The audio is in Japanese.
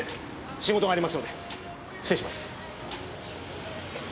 仕事がありますので失礼します。